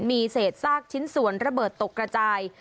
มีเศษซากชิ้นส่วนระเบิดตกกระจาย